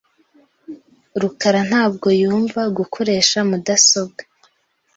rukara ntabwo yumva gukoresha mudasobwa.